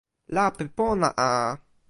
lape pona a!